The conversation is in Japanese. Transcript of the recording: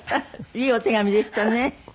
いいお手紙でしたね。